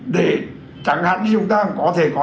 để chẳng hạn chúng ta có thể có